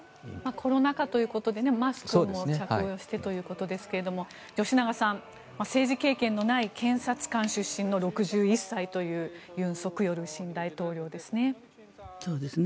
コロナ禍ということでマスクも着用してということですが吉永さん、政治経験のない検察官出身の６１歳という尹錫悦新大統領ですね。